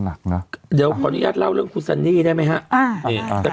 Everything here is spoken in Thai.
เดี๋ยวขออนุญาตเล่าเรื่องคุณซันนี่ได้ไหมฮะ